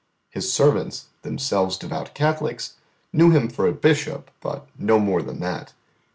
His servants, themselves devout Catholics, knew Him for a bishop, but no more than that.